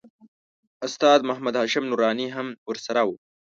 استاد محمد هاشم نوراني هم ورسره و.